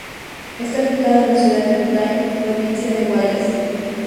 Está ubicado en la ciudad de Bucay, provincia de Guayas.